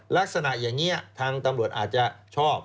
ลักษณะอย่างนี้ทางตำรวจอาจจะชอบ